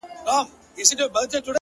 • ما په سهار لس رکاته کړي وي؛